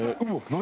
何？